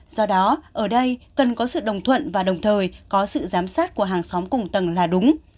do đó ở đây cần có sự đồng thuận và đồng thời có sự giám sát của hàng xóm cùng tầng là đúng